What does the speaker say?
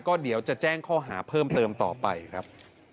ก็เดี๋ยวจะแจ้งข้อหาเพิ่มเติมต่อไปครับ